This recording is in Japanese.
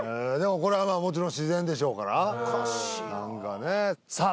これはまあもちろん自然でしょうからおかしいな何かねさあ